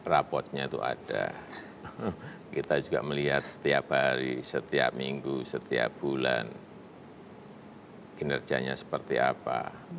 raportnya itu ada kita juga melihat setiap hari setiap minggu setiap bulan kinerjanya seperti apa